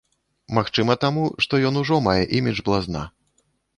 Магчыма, таму, што ён ужо мае імідж блазна.